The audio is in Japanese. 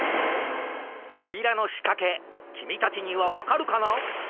とびらのしかけきみたちにはわかるかな？